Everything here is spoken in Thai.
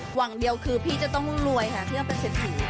หวังเดียวคือพี่จะต้องรวยค่ะเพื่อเป็นเศรษฐี